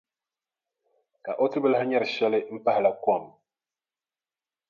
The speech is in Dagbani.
Ka o ti bi lahi nyari shɛli m-pahila kom.